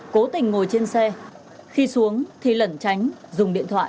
cố tình ngồi trên xe khi xuống thì lẩn tránh dùng điện thoại